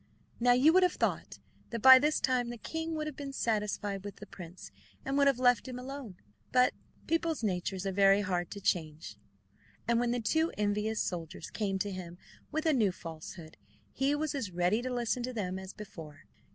Now you would have thought that by this time the king would have been satisfied with the prince, and would have left him alone; but people's natures are very hard to change, and when the two envious soldiers came to him with a new falsehood, he was as ready to listen to them as before.